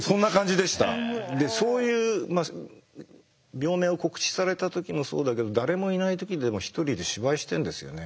でそういう病名を告知された時もそうだけど誰もいない時でも一人で芝居してんですよね。